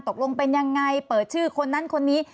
ตกลงเป็นยังไงเปิดชื่อคนนั้นคนนี้